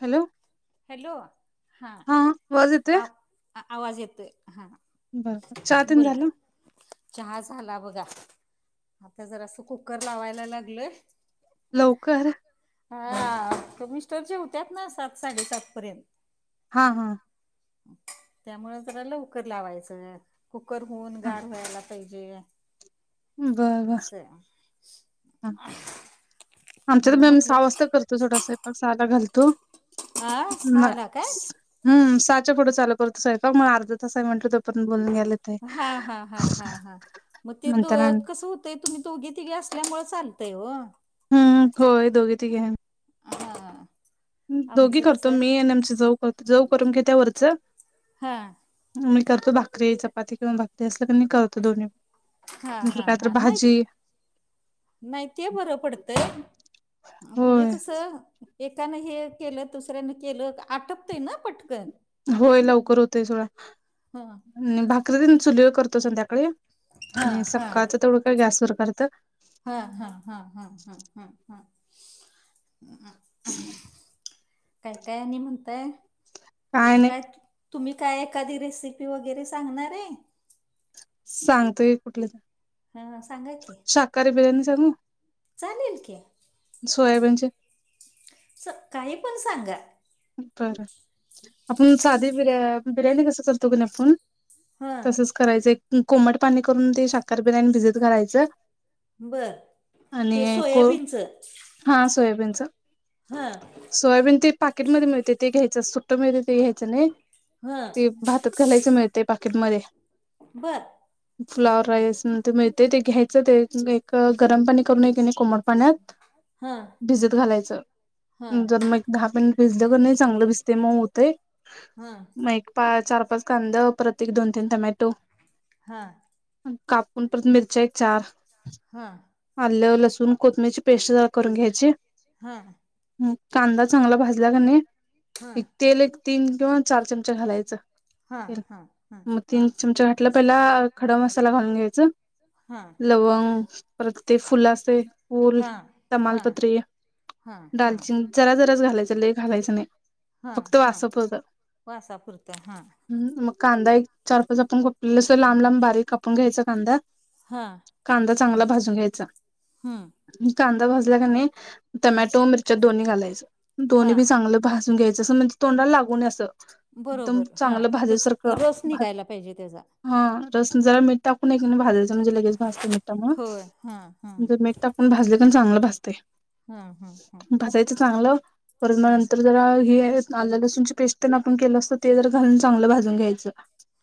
Hello hello हा आवाज येतोय आ आवाज येतोय हा बरं चहा अन् ते बोला झालं? चहा झाला बघा आता जरासं कुकर लावायला लागलोय लवकर हा तर मिस्टर जेवत्यात ना सात साडेसात पर्यंत हा हा त्यामुळे जरा लवकर लावायचं कुकर होऊन हा गार व्हायला पाहिजे बर बर असं हे आमच्या तर [unintelligible] सहा वाजता करतो छोटा सयपाक सहाला घालतो हा नाय सहाला काय हम् सहाच्या पुढं चालू करतो स्वयपाक मग अर्धा तास आहे म्हटल तो पर्यंत बोलून घ्यायलेत हा हा हा हा म ते दो म्हणताना कसं हो ते तुम्ही दोघी तिघे असल्यामुळे चालतय व हम्म होय दोघी तिघी [inaudible] [inaudible] दोघी आमचं करतो कसं मी आणि आमचे जाऊ करतो जाऊ करून घेत्या वरचं हा मी करतो भाकरी चपाती किंवा भाकरी असलं तर मी करतो दोन्ही हा नंतर हा काय तर हा नाहीत भाजी नाही ते बरं पडतंय म्हणजे होय कसं एकानं हे केलं दुसऱ्यानं केलं आटपतंय ना पटकन होय लवकर होतय [unintelligible] हां आणि भाकरी न चुलीवर करतो संध्याकाळी आणि हां सकाळचं तेवढं काय गॅस वर करत्यात हा हा हा हा हा हम हम [unintelligible] काय काय आणि म्हणताय काय? तुम्ही काय एकादी रेसिपी वगैरे सांगणार आहे? सांगतोय कुठली हा हा सांगा की शाकाहारी बिर्याणी चालेल की सोयाबीनचे स काही पण सांगा बरं आपण साधी बिर्या बिर्याणी कसं करतो की नई आपुन हां तसच करायचं एक कोमट पाणी करून ते शाखार बिर्याणी भिजत घालायचं बर ते आणि को सोयाबीनचं हा सोयाबीनच हा सोयाबीन ते पाकिटमध्ये मिळतंय ते घ्यायच सुट्ट मिळते ते घ्यायचं नाही हां ते भातात घालायच मिळतंय पाकीट मध्ये बर फ्लॉवर राईस अन् मिळते ते घ्यायचं ते एक गरम पाणी करून कि नाही कोमट पाण्यात हां भिजत घालायचं [unintelligible] हां दहा [unintelligible] भिजलं का नाही चांगलं भिजते मऊ होतय हां मग एक पा चार पाच कांद परत एक दोन तीन टमॅटो हा कापून परत मिरच्या एक चार हां आलं लसूण कोथमीरची पेस्ट जरा करून घ्यायची हां कांदा चांगला भाजला का नाही हां एक तेल एक तीन किंवा चार चमचे घालायचं हां हां हां मग हां. तीन चमचे घातलं पहिला खडा मसाला घालून घ्यायच घ्यायचा. हां लवंग प्रत्येक फुल अस फूल हां हां तमालपत्री हां हां दालचिंण जरा जराच घालायचं लई घालायचं नाही हां फक्त हां. वासा पुरतं वासापुरतं वासापुरतं. हां ह मग कांदा एक चार पाच आपण [unintelligible] अस लांब लांब बारीक कापून घ्यायचा कांदा हां कांदा चांगला भाजून घ्यायचा हम्म कांदा भाजला का नाही हम्म टमॅटो मिर च्या दोन्ही घालायचं दोन्ही हां. बी चांगलं भाजून घ्याययच असं म्हणजे तोंडाला लागू नये असं एकदम बरोबर हां चांगलं भाज्या तेच सारखं रस भा. निघायला पाहिजे त्याचा. हा रस जरा मीठ टाकून हाय की भाजायचं, म्हणजे लगेच भाजतं होय हां हां मीठामुळे जर मीठ टाक पण भाजलं पण चांगलं भाजतय, हां हां हां. भाजायचं चांगलं. पर हां नंतर जरा हे आलं लसूणची पेस्ट ना आपण केल असतं ते जर. घालून चांगलं भाजून घ्यायचं,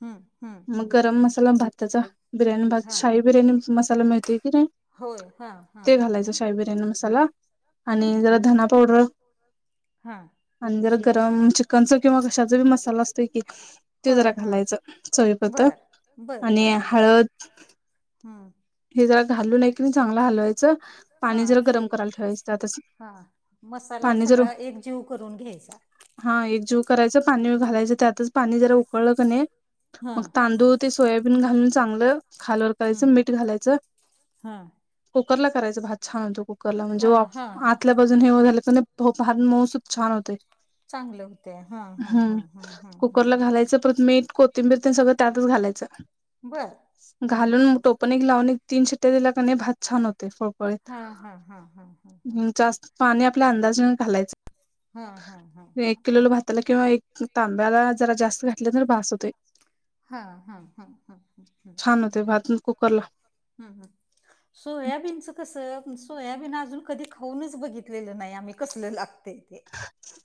हम्म हम्म मग हम्म गरम मसाला भाताचा. बिर्याणी भात, हां शाही बिर्याणी मसाला मिळतोय कि नाही? होय हां हां ते घालायचं शाही बिर्याणी मसाला आणि जरा धना पावडर. हा. आण जरा गरम चिक कणच किंवा कशाचा बी मसाला असतोय कि ते होय जरा हा घालायचं चविपुरतं. बर आणि हळद. हं हे जरा घालू आहे की नाही चांगल हलवायचं, हा पाणी जरा ए गरम करायला ठेवायचं त्यातच. हा मसाला पाणी जर सगळा एकजीव करून घ्यायचा. हा एक जीव करायच पाणी घालायचं त्यातच पाणी जरा उकळलं क नाही हा मग तांदूळ. ते सोयाबीन घालून चांगलं खालवर करायचं, हम्म मीठ घालायचं. हा कुकर ला करायच भात छान होतो कुकरला म्हणजे हा वाफ हा हा आतल्या बाजून हे झालं तर तो भात मऊसूत छान होतय. चांगलं होते हा हा हम्म हा हा हा हा कुकरला घालायचं परत मीठ को तिंबीर ते सगळ त्यातच घालायचं. बरं. घालून टोपणी एक लावून एक तीन शिट्ट्या दिल्या का नाही भात छान होते फडफ हा हा हा, हा हा हा हा. जास्त पाणी आपल्या अंदाजनें घालायचं. हम्म हम्म हम्म, हम्म हम्म. त्याला किंवा एक तांब्याला जरा जास्त घातले तर बास होतंय. हा हा हा हम्म हम्म, हम्म छान होते भात कुकरला हम्म हम्म. सोयाबीनचं कस, सोयाबीन अजून कधी खाऊनच बघितलेलं नाही आम्ही कसलं लागतय ते.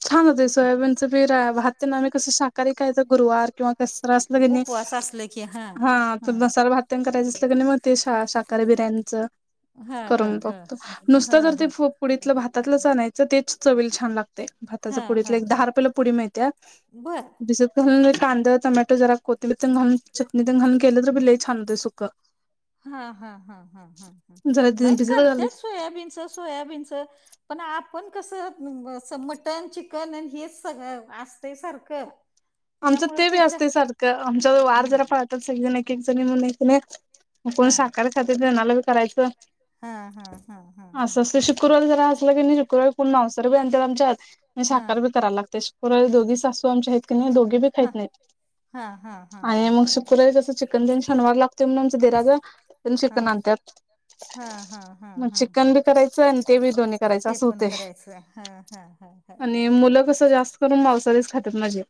छान होते सोयाबीनच बीर भात तेन आम्ही कस शाकाहारी खायचो, गुरवार किंवा कस तर अस असल का कसं नई, उपवास असलं की हा तू मसाले भात. तेन करायचं असलं क नाही मग ते शाकाहारी बिर्याणीच. हा करून हा बघतो, नुसतं हा जर ते हा हा पुडीतलं भातातलंच आणायचं तेच चवील छान लागत. तय भाताच्या हा हा पुडीतला एक हा दहा रु पेला पुडी मिळतीया, बर डिसप. घा कांदा टमॅटो जरा कोथिबीन ते न घालून चटणीत घालून केलं तर बिलेई छान होते सुकं. हा हा हा, ह ह ह जरा नाही भिजत कर घाल त्याच सोयाबीनचं सोयाबीनचं. पण आपण कसं, असं मटण चिकन हेच सगळ असतय सारखं. आमचं त्यामुळे ते बी त्याच्या असते सारखं आमचा वार हम्म जरा पळतात एकजण एक एक जणी म्हणून एकने. कोण हा. शाकाहारी खातेत त्यांनाला बी करायचं. हा हा हा हा हा असं अस हा शुक्रवारी जरा असलं की शुक्रवारी पुन्हा मांसाहारी बी आणत्यात आमच्यात हा. साखकार बी कराय लागते दोघी सासू आमच्या आहेत की नाही दोघे बी खहीत हा नाहीत. हा हा हा आणि हा मग हा. शुक्रवारी जसं चिकन देऊन शनवार लागतो म्हणून आमच देराजा हा चिकन आणतात. हा हा हा मग हा चिकन हा. बी करायचं आणि ते बी दोन्ही करायच ते असं पण होते. करायचं हा हा हा हा आणि हा हा. मुलं कस जास्त करून मवसाारीच खातात माझे.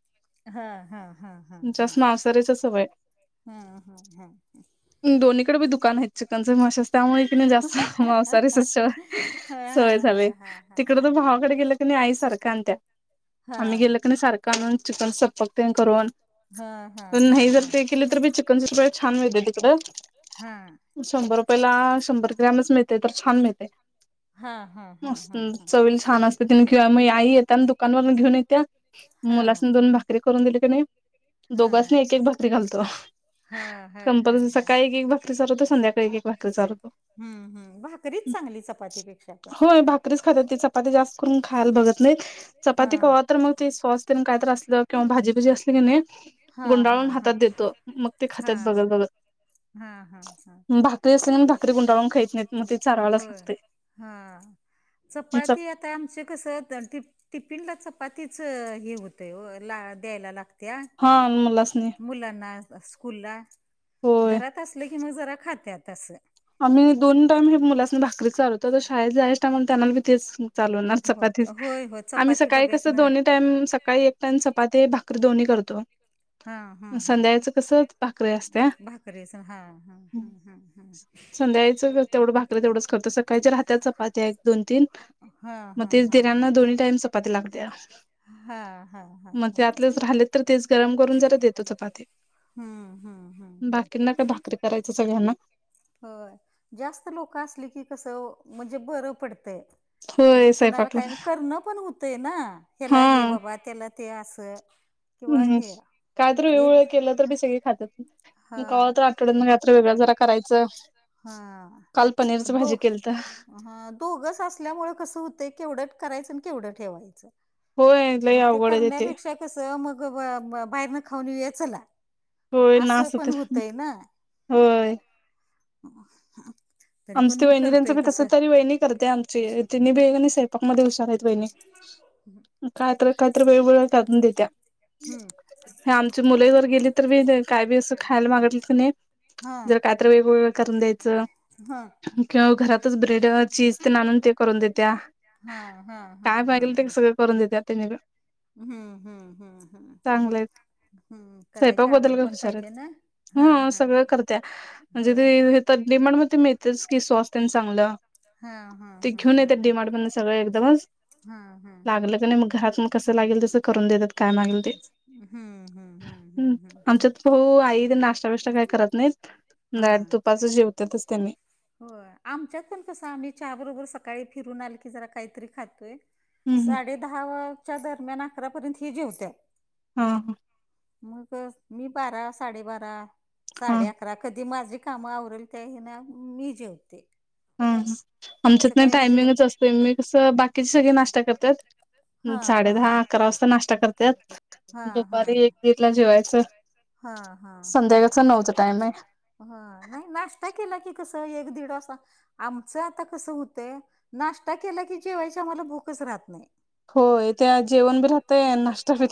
हा हा हा. हा हा जास्त मांसाहारीच आहेत सगळे. हा हा, हा ह. दोन्हीकडे बी दुकान आहेत चिकनच माशच त्यामुळे कि नाही जास्त मांसाहारीच अस सवय हा सवय, हा हा हा तिकड हा. तू भावाकडे गेलं की क आई सारख्या आणत्या हा. आम्ही गेल क सारखं आणून चिकन सपक तेन करून हा हा प हा नाही जर हा. ते केले तर बी चिकनचे सिक्टीफाय छान मिळतंय तिकडं. हा. शंभर रुपयाला शंभर ग्रॅमच मिळते, तर छान मिळते. हा हा हा हा हा. चवल छान असते तिने घेऊ मग आई येत आणि दुकानवरून घेऊन येत्या. हा. मुलासनी दोन भाकरी करून दिली की नाही कणी हा. दोघासनी एक एक भाकरी करून घालतो. करतो. हा हा हा कंपलसरी हा. सकाळी एक एक भाकरी चालवतो संध्याकाळी एक एक भाकरी चालवतो. हम्म हम्म, भाकरीच चांगली चपाती पेक्षा पण करीच खात्यात, चपाती जास्त करून खायला बघत नाही चपाती हा. कवा तर मग ते सॉस तेन काय तर असल किंवा भाजी भाजी असल्या की हा हा गुंडाळून हा हातात देतो मग हा ते हा. खातात बघत बघत. हा हा. हा. हा भाकरी असली क भाकरी गुंडाळून खात नाहीत, मग ते चारवायच होय लागते. हा चपाती आता आमची कस तर ती. टिपिन ला चपातीच हे होतय ओ, ला द्यायला लागत्या. हा अन मुलासनी. मुलांना स्कूलला, होय. घरात असलं कि मग जरा खात्या तसं. आम्ही दोन टाइम हे मुलासून भाकरी चालवतो तर शाळेत जायच्या टाईमाला त्यांनासनी बी तेच मग. चालवणार हो चपातीच होय होय आम्ही चपाती सकाळी डब्यातन कसं दोन्हीत. टाइम सकाळी एक टाइम चपाती भाकरी दोन्ही करतो. करतो. हा मग हा संध्याकाळच कस भाकरी असत्या? रेस हा हा हा, ह हा. संध्यायकळीचं तेवढं भाकर तेवढंच करतोस आणि काहीच राहत्यात चपात्या एक दोन तीन हा हा मग हा हा तेच हा हा तिघांना दोन्ही टाईम चपाती लागते. हा हा हा हा. मग त्यातलेच राहिलेत तर तेच गरम करून जरा देतो चपाती. हम्म हम्म हम्म हम्म. बाकींना काय भाकरी करायचं सगळ्यांना होय जास्त लोक असली की कसं म्हणजे बरं पडतंय. म्हणजे होय कुणाला स्वयंपाकला काय करणं पण होतय ना ह्याला हे हा बाबा त्याला ते असं. किंवा हम्म हे काय तर एक वेगवेगळं केलं तर बी सगळे खातात. हा मग का तर आठवड्यातून मग काय तर वेगळं जरा करायचं. हा. काल पनीरच दो भाजी केलंत. हा दोघच असल्यामुळे कसं होतंय, केवढं करायचं आणि केवढं ठेवायचं? होय लय मग ते अवघड आहे करण्यापेक्षा कसं मग बाहेर ना खाऊन येउया चला. होय ना असं पण तर, होतंय ना होय. [inaudible] पण आमची मी वहिणी करतोय त्यांचं तसं कसं तरी वहिणी करते आमची ति बेग आणि स्वयंपाकमध्ये हुशार आहे. कायतर कायतर वेळवेळ टाकून देत्या. हम्म आमची मुले जर गेली तर मी काय बी असं खायला मागितलं की नाही. हा जर काहीतरी वेगवेगळं करून द्यायचं. हा केव्हा घरातच ब्रेड, चीज ते आणून ते करून देत्या. हा हा हा काय हा. पाहिजेल ते सगळं करून देतात ते वेगळं हा हा हा हा. चांगलं आहे स्वयंपाक बद्दल हुशार आहे ना हा सगळं करत्या म्हणजे होय ते तर डि मार्ट मध्ये मिळतेच की स्वस्त आणि चांगलं. हा हा ते हा घेऊन हा येतात डी हा. मार्ट मधून सगळं ऐकदमचं हा हा हा लागलं का नाही हा. मग घरात म कसं लागेल तसं करून देतात. हम्म. हम्म हम्म हम हम्म हम्म. आमच्यात पोहा आई ते नाश्ता विष्टा काही करत नाहीत. नाय दुपारचं जेवतातच. त्यांनी होयं आमच्यात पण कसं आम्ही चहा बरोबर सकाळी फिरून आलंय की जरा काहीतरी खातोय. हम्म साडे दहाच्या दरम्यान अकरापर्यंत ही जेवत्यात. हां हां. मग मी बारा साडेबारा हा साडे अक अकरा कधी माझी कामं आवरते ना, मी जेवते. हा आमचं आमच्यात ना काय म्हणजे टायमिंगच असते, मी कसं बाकीची सगळी नाश्ता करतात. हा साडे हा दहा हा अकरा वाजता नाश्ता करत्यात, हा हा दुपारी एक हा दीडला जेवायचं. हा हा हा हा संध्याकाळचा नऊचा टाइम आहे. हा नाही नाश्ता केला की कसं एक दीड असंआमचं आता कस होत नाश्ता केला की जेवायची आम्हाला भूकच राहत नाही. होय त्या जेवण बी राहतय आणि नाश्ता बी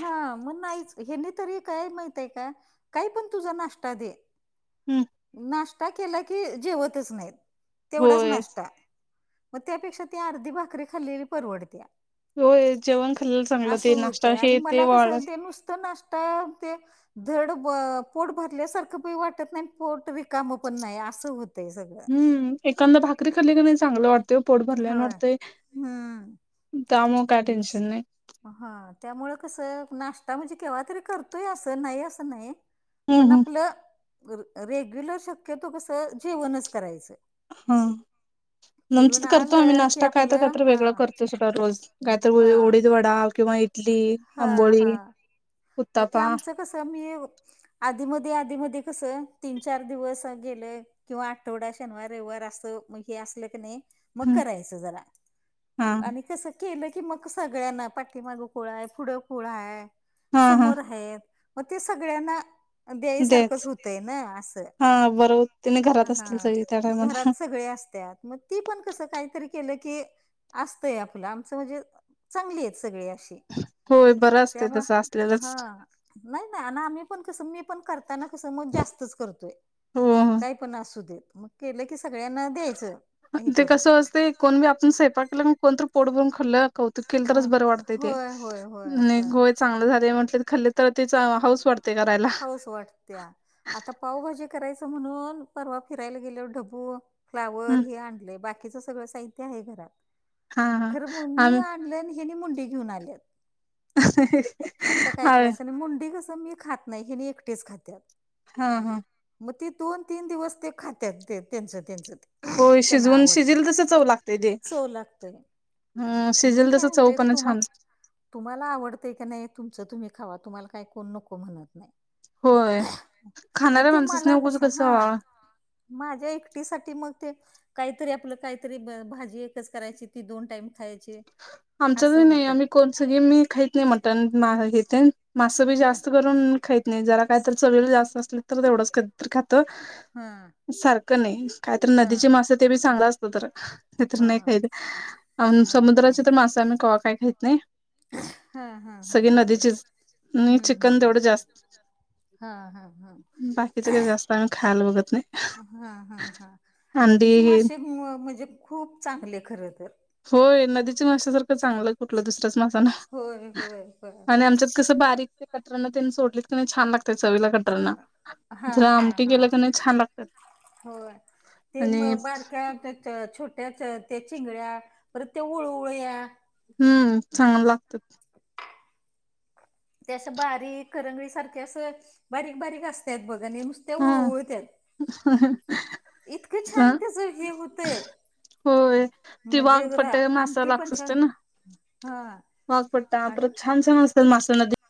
हा मग नाहीच हयांनी तरी काय माहिती आहे का काय पण तुझा नाश्ता दे हम्म नाश्ता केला की जेवतच नाही, तेवढाच होय नाश्ता. मग त्यापेक्षा ती अर्धी भाकरी खाल्लेली परवडत्या. होय जेवण खाल्लेलं चांगलं असं ते होत नाश्ता आणि हे ते मला कस वाळत आहे नुसतं न का ते धड पोट भरल्यासारखं बी वाटत नाही. पोट रिकामं पण नाही असं होतय सगळं. हम्म एखांद भाकरी खाल्लेली बी चांगलं वाटतं पोट भरल्यानं होय वाटतंय. हम्म त्यामुळे काय टेन्शन नाय. हा त्यामुळं कस आहे नाश्ता म्हणजे केव्हा तरी करतोय असं नाही असं नाही. हम्म पण हम्म आपलं रेग्युलर शक्यतो कसं जेवणच करायचं. हा लन्च फिरून करतो आम्ही, आलं की नाश्ता काय तर आपलं काहीतरी हा वेगळं करतो. रोज कायतर हा उडीद वडा किंवा इटली, हा आंबोळी हा मग ते उत्तापा आमचं कसं मी आधी मधी आधी मधी कसं, तीन चार दिवस गेले किंवा आठवडा शनिवार रविवार असो, म हे असलं की नाही. मग हम्म करायचं जरा हा आणि कसं केलं की मग सगळ्यांना पाठीमागे खुलं आहे, पुढं खुलं आहे. हा हा समोर आहेत म ते सगळ्यांना दयायसारखंच तेच होतंय ना असं हा बरोबर तिने हा घरात असतील हा सगळी त्या टायमाला घरात सगळे अस त्यात मग ती पण कसं काहीतरी केलं की असतंय आपलं आमचं म्हणजे चांगली आहेत सगळी अशी. होय बरं असतय त्यामुळ तसं आस हा नाय नाय अन् आम्ही पण कसं मी पण कर त्यानं कस मग जास्तच करतोय हो काही पण असू देत मग केलं की सगळ्यांना द्यायचं हे ते करून कसं असतय कोण बी आपण सयपाक केलं कोणतरी पोट भरून खाल्लं कौतुक केल हा तरच बरं वाटतंय ते होय होय होय नाय होय गो चांगलं झालेय म्हटल तर खालत तर तिचा हाऊस वाटते करायला हाऊस वाटत्या आता पावभाजी करायचं म्हणून परवा फिरायला गेल्यावर ढबू फ्लावर हं हे आणलय बाकीच सगळ साहित्य आहे घरात हा हा खरं [unintelligible] मी आम आणलं नी हेनी मुंडी घेऊन आल्यात आता काय हा करायचं आणि मुंडी कसं मग मी खात नाय हेनी एकटेच खातात हा हा मग ते दोन तीन दिवस ते खात्यात ते त्यांचं त्यांच ते होय [unintelligible] त्यांना शिजवून शिजेल तसं आवडतय चव लागते ते चो लागतय हं मी शिजेल काय तसं चव म्हणते पण तूम्हा छान तुम्हाला आवडतंय की नाय तुमच तुम्ही खावा तुम्हाला काय कोण नको म्हणत नाय होय मग खाणाऱ्या ते माणसासने मला उगच कसं हा माझ्या एकटीसाठी मग ते काहीतरी आपलं काहीतरी भाजी एकच करायची ती दोन टाइम खायची आमच्या असं घरी नाही आम्ही होतंय. कोण सगळे मी खाईत नाही मटन [unintelligible] तेन मास बी हा. जास्त करून खाईत नाही जरा काहीतरी चवीला जास्त असले तर तेवढंच कधीतर खातो हा सारखं नाई कायतरी हा. नदीची मासें ते बी चांगलं असल तरच नाही तर हा नाही खाईत अन हा हा हा. समुद्राची तर मासा आम्ही कवा काय घेत नाही हा हा हा सगळी हा ह नदीचीच [unintelligible] आणि हम्म चिकन हम्म तेवढं जास्त [unintelligible] हा हा हा बाकीचं काय जास्त आम्ही खायला बघत नाय हा हा नदीचे हे मासे म्हणजे खूप चांगले खरं तर होय नदीच्या माशा सारखं चांगलं कुठलं दुसरच मासा नाय होय होय होय आणि होय. आमच्या तसं बारीक ते [unintelligible] तेनं सोडल कनाय छान लागत चवीला कटरना हा जर हा आमटी हा केलकी नाय छान लागतात होय ते आणि म बारक्या [unintelligible] छोट्याच त्या चिंगळ्या परत ते उळवूळ्या हम्म चांगल लागतात तें असं बारीक करंगळी सारखा असं बारीक बारीक असतात बघ आणि नुस ते हा वूळवूळत्यात इतकं छान त्याच हे होतंय होय ती म्हणजे रा- वाघपट्ट्या मासा आमटी [unintelligible] पण असत छान ना हा वाघपट्टा आणि परत छान छान असतात मासे नदे